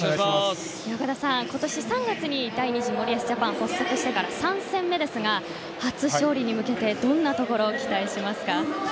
岡田さん、今年３月に第２次森保ジャパンが発足してから３戦目ですが初勝利に向けてどんなところに期待しますか？